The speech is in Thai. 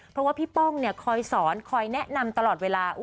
เพราะว่าพี่ป้องคอยสอนคอยแนะนำตลอดเวลา